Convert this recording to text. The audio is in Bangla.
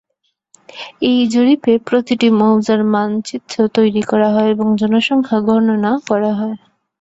এই জরিপে প্রতিটি মৌজার মানচিত্র তৈরি করা হয় এবং জনসংখ্যা গণনা করা হয়।